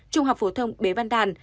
trung học phổ thông bế văn đàn